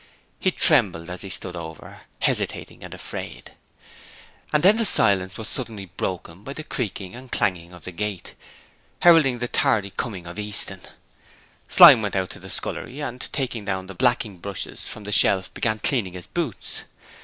He trembled as he stood over her, hesitating and afraid. And then the silence was suddenly broken by the creaking and clanging of the front gate, heralding the tardy coming of Easton. Slyme went out into the scullery and, taking down the blacking brushes from the shelf, began cleaning his boots.